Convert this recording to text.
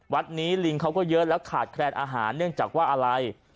วัดนี้ลิงเขาก็เยอะแล้วขาดแคลนอาหารเนื่องจากว่าอะไร